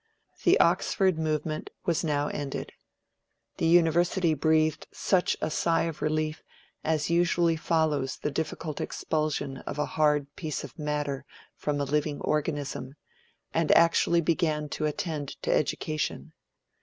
The Oxford Movement was now ended. The University breathed such a sigh of relief as usually follows the difficult expulsion of a hard piece of matter from a living organism, and actually began to attend to education.